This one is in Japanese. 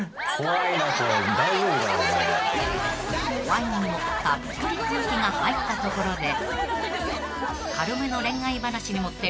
［ワインにもたっぷり空気が入ったところで］